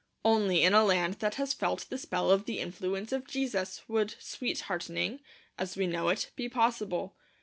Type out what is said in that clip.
Only in a land that has felt the spell of the influence of Jesus would sweethearting, as we know it, be possible.